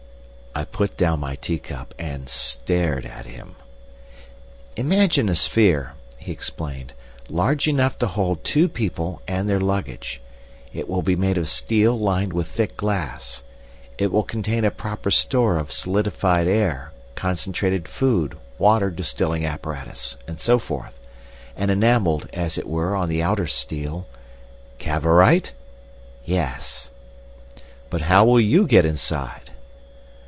I put down my teacup and stared at him. "Imagine a sphere," he explained, "large enough to hold two people and their luggage. It will be made of steel lined with thick glass; it will contain a proper store of solidified air, concentrated food, water distilling apparatus, and so forth. And enamelled, as it were, on the outer steel—" "Cavorite?" "Yes." "But how will you get inside?"